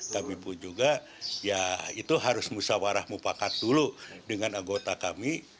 kami pun juga ya itu harus musawarah mufakat dulu dengan anggota kami